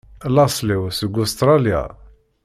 Laṣel-iw seg Ustṛalya.